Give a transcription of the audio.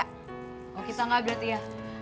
kok kita gak berarti ya